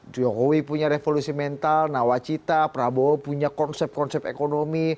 jokowi punya revolusi mental nawacita prabowo punya konsep konsep ekonomi